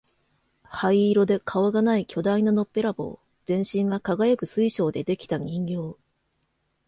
灰色で顔がない巨大なのっぺらぼう、全身が輝く水晶で出来た人形、